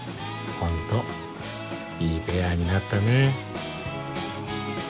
ホントいいペアになったね。